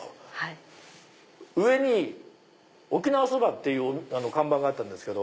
上に沖縄そばっていう看板があったんですけど。